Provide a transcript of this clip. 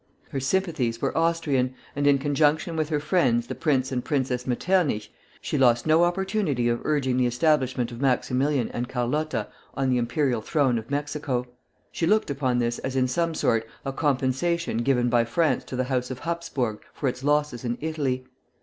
Her sympathies were Austrian, and in conjunction with her friends the Prince and Princess Metternich she lost no opportunity of urging the establishment of Maximilian and Carlotta on the imperial throne of Mexico. She looked upon this as in some sort a compensation given by France to the House of Hapsburg for its losses in Italy.